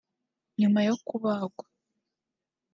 nyuma yo kubagwa